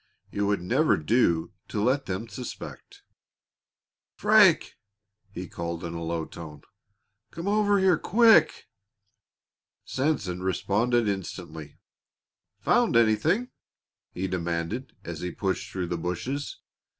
It would never do to let them suspect. "Frank!" he called in a low tone. "Come over here quick!" Sanson responded instantly "Found anything?" he demanded, as he plunged through the bushes.